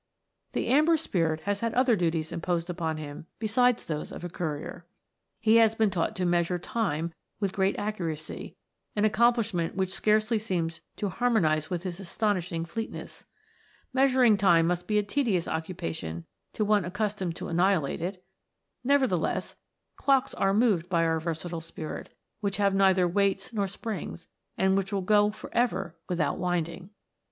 The Amber Spirit has had other duties imposed upon him besides those of a courier. He has been taught to measure time with great accuracy, an accomplishment which scarcely seems to harmonize with his astonishing fleetness. Measur ing time must be a tedious occupation to one accus tomed to annihilate it ; nevertheless, clocks are moved by our versatile Spirit, which have neither weights nor springs, and which will go for ever without winding.